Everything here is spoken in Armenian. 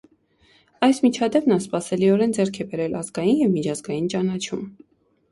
Այս միջադեպն անսպասելիորեն ձեռք է բերել ազգային և միջազգային ճանաչում։